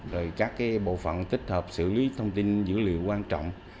rồi các bộ phận tích hợp xử lý thông tin dữ liệu quan trọng